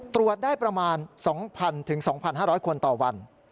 ตรวจได้ประมาณ๒๐๐๒๕๐๐คนต่อวัน